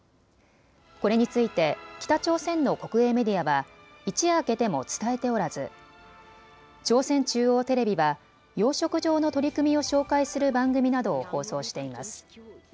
これについて北朝鮮の国営メディアは一夜明けても伝えておらず朝鮮中央テレビは養殖場の取り組みを紹介する番組などを放送しています。